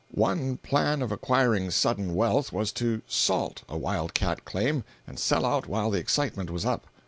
One plan of acquiring sudden wealth was to "salt" a wild cat claim and sell out while the excitement was up.